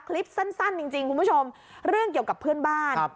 คลิปสั้นจริงคุณผู้ชมเรื่องเกี่ยวกับเพื่อนบ้าน